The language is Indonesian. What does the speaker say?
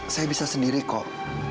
saya bisa sendiri kok